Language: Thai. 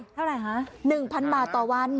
เท่าไหร่คะ๑๐๐บาทต่อวัน